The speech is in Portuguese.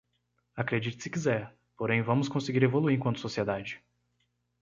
Acredite se quiser, porém vamos conseguir evoluir enquanto sociedade